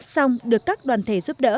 song được các đoàn thể giúp đỡ